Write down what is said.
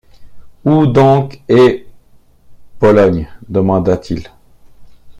Où donc est Pologne? demanda-t-il.